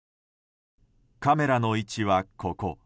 カメラの位置はここ。